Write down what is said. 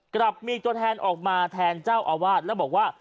กลับมีตัวแทนออกมาแทนเจ้าอาวาสแล้วบอกว่า